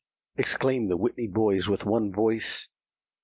exclaimed the Whitney boys with one voice.